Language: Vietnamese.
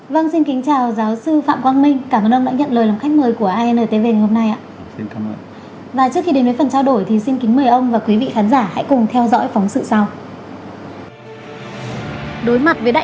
vâng xin kính chào giáo sư phạm quang minh cảm ơn ông đã nhận lời lòng khách mời của intv ngày hôm nay ạ